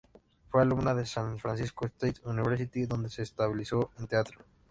Fue alumna de la San Francisco State University donde se especializó en teatro.